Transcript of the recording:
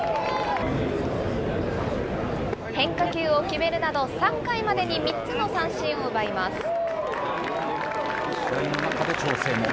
変化球を決めるなど、３回までに３つの三振を奪います。